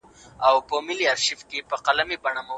ولي افغانان باید په خپلو کي سره یو موټی اوسي؟